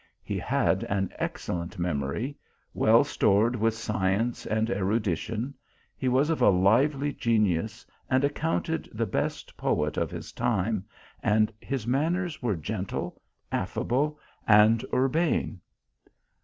He had an excel lent memory, well stored with science and eriUition ; he was of a lively genius, and accounted the best poet of his time, and his manners were gentle, affa ble, and urbane.